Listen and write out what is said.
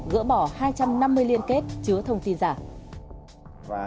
gỡ bỏ hai trăm năm mươi liên kết chứa thông tin giả